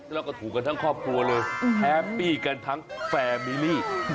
แล้วก็ถูกกันทั้งครอบครัวเลยแฮปปี้กันทั้งแฟร์มิลี่